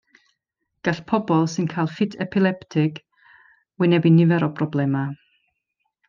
Gall pobl sy'n cael ffit epileptig wynebu nifer o broblemau.